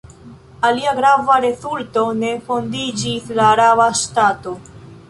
Alia grava rezulto: ne fondiĝis la araba ŝtato.